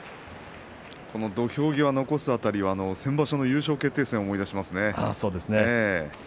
土俵際残すあたりは、先場所の優勝決定戦を思い出しますね。